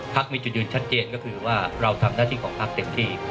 มีจุดยืนชัดเจนก็คือว่าเราทำหน้าที่ของพักเต็มที่